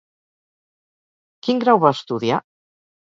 Quin grau va estudiar?